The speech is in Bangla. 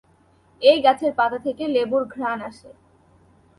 এই গাছের পাতা থেকে লেবুর ঘ্রাণ আসে।